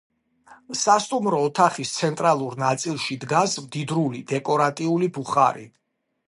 სასტუმრო ოთახის ცენტრალურ ნაწილში დგას მდიდრული დეკორატიული ბუხარი.